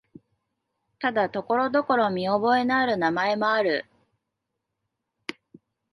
ただ、ところどころ見覚えのある名前もある。